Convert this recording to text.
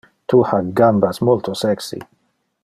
Tu ha gambas multo sexy.